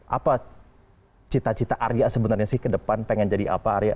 apa cita cita arya sebenarnya sih ke depan pengen jadi apa arya